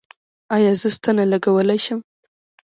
ایا زه ستنه لګولی شم؟